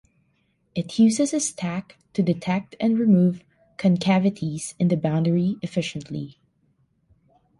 It uses a stack to detect and remove concavities in the boundary efficiently.